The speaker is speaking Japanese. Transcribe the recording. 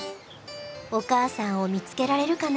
お母さんを見つけられるかな？